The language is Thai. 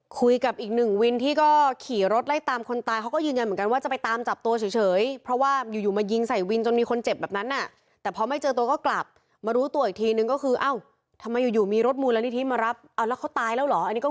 คุยกับอีกหนึ่งวินที่ก็ขี่รถไล่ตามคนตายเขาก็ยืนยันเหมือนกันว่าจะไปตามจับตัวเฉยเพราะว่าอยู่อยู่มายิงใส่วินจนมีคนเจ็บแบบนั้นอ่ะแต่พอไม่เจอตัวก็กลับมารู้ตัวอีกทีนึงก็คือเอ้าทำไมอยู่อยู่มีคนเจ็บแบบนั้นอ่ะคุยกับอีกหนึ่งวินที่ก็ขี่รถไล่ตามคนตายเขาก็ยืนยันเหมือนกันว่าจะไปตามจับ